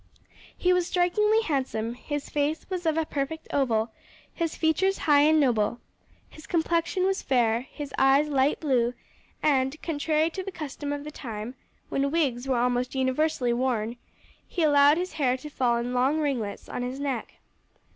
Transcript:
He was strikingly handsome, his face was of a perfect oval, his features high and noble, his complexion was fair, his eyes light blue, and, contrary to the custom of the time, when wigs were almost universally worn, he allowed his hair to fall in long ringlets on his neck.